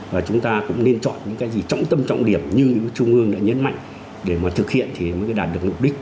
và chúng ta cũng nên chọn những cái gì trọng tâm trọng điểm như trung ương đã nhấn mạnh để mà thực hiện thì mới đạt được mục đích